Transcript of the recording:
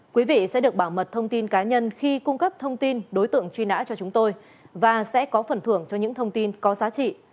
quý vị sẽ được bảo mật thông tin cá nhân khi cung cấp thông tin đối tượng truy nã cho chúng tôi và sẽ có phần thưởng cho những thông tin có giá trị